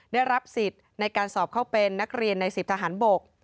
ได้รับสิทธิ์ในการสอบเข้าเป็นนักเรียนใน๑๐ทหารบก